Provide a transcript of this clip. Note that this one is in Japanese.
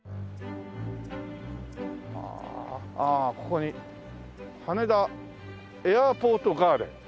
ああここに「羽田エアポートガーデン」。